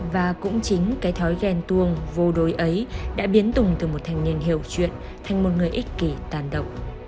và cũng chính cái thói ghen tuông vô đối ấy đã biến tùng từ một thanh niên hiểu chuyện thành một người ích kỷ tàn động